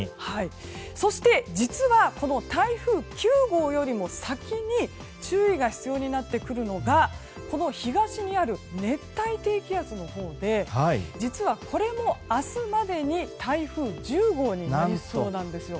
そして実は、台風９号よりも先に注意が必要になってくるのが東にある熱帯低気圧のほうで実はこれも、明日までに台風１０号になりそうなんです。